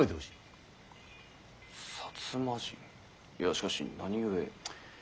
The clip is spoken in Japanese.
いやしかし何ゆえ。